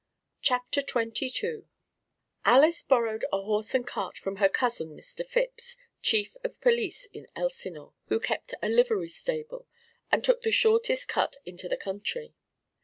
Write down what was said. CHAPTER XXII Alys borrowed a horse and cart from her cousin Mr. Phipps, Chief of Police in Elsinore, who kept a livery stable, and took the shortest cut into the country.